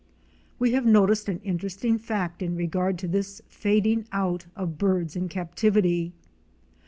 We have noticed an interesting fact in regard to this fading out of birds in captivity.